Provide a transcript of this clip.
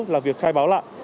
là việc khai báo lại